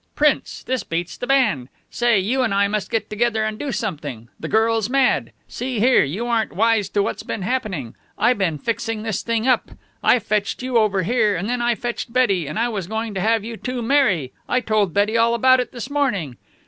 Prince, this beats the band. Say, you and I must get together and do something. The girl's mad. See here, you aren't wise to what's been happening. I been fixing this thing up. I fetched you over here, and then I fetched Betty, and I was going to have you two marry. I told Betty all about it this morning."